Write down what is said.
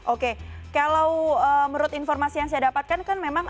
oke kalau menurut informasi yang saya dapatkan kan memang